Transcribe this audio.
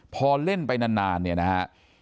พอเล่นไปนานเนี่ยนะฮะ